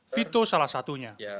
vito salah satunya